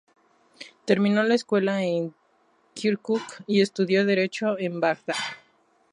Terminó la escuela en Kirkuk y estudió derecho en Bagdad.